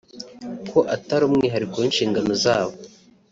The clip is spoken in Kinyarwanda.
kandi atari umwihariko w’inshingano zabo